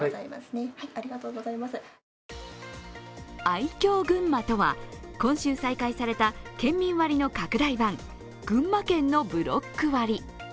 愛郷ぐんまとは今週再開された県民割の拡大版、群馬県のブロック割。